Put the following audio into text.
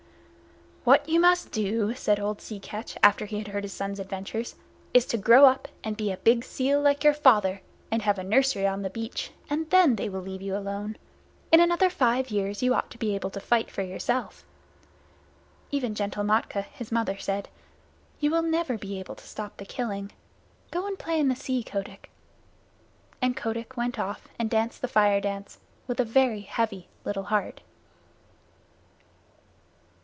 "What you must do," said old Sea Catch, after he had heard his son's adventures, "is to grow up and be a big seal like your father, and have a nursery on the beach, and then they will leave you alone. In another five years you ought to be able to fight for yourself." Even gentle Matkah, his mother, said: "You will never be able to stop the killing. Go and play in the sea, Kotick." And Kotick went off and danced the Fire dance with a very heavy little heart.